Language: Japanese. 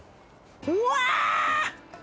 うわ！